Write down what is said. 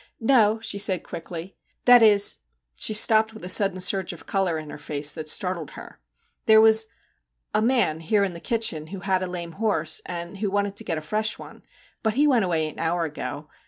'No,' she said quickly. 'That is,' she stopped with a sudden surge of colour in her face that startled her, * there was a man here in the kitchen who had a lame horse, and who wanted to get a fresh one. But he went away an hour ago.